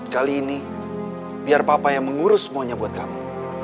kali ini biar papa yang mengurus semuanya buat kamu